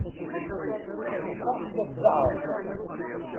Crifa tella tzeɛɛeḍ.